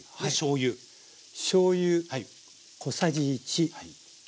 しょうゆ小さじ１。